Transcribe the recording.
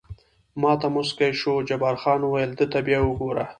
ما ته موسکی شو، جبار خان وویل: ده ته بیا وګوره.